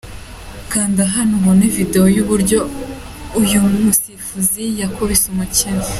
Kanda hano ubone video y’uburyo uyu musifuzi yakubise umukinnyi.